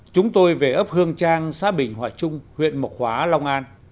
chúng tôi về ấp hương trang xã bình hòa trung huyện mộc hóa long an